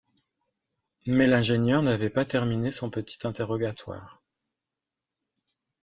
Mais l’ingénieur n’avait pas terminé son petit interrogatoire.